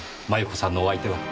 繭子さんのお相手は。